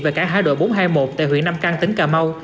về cả hai đội bốn trăm hai mươi một tại huyện nam căng tỉnh cà mau